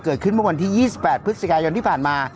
เกิดขึ้นเมื่อวันที่ยี่สิบแปดพฤศจิกายนที่ผ่านมา